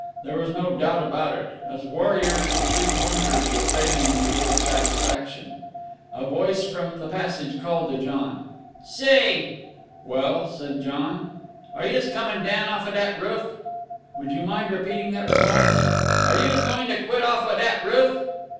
There was no doubt about it as warriors, the Three Pointers were failing to give satisfaction. A voice from the passage called to John. "Say!" "Well?" said John. "Are youse comin' down off out of dat roof?" "Would you mind repeating that remark?" "Are youse goin' to quit off out of dat roof?"